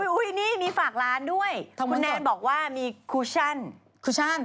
อุ๊ยนี่มีฝากร้านด้วยคุณแนนบอกว่ามีครูชั่นครูชั่น